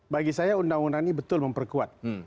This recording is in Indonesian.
bagi saya undang undang ini betul memperkuat